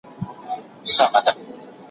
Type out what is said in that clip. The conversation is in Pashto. د سانسور نشتوالی د ریښتیني معلوماتو سرچینه ده.